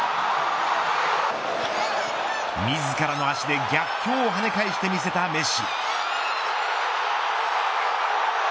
自らの足で逆境を跳ね返してみせたメッシ。